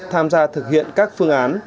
tham gia thực hiện các phương án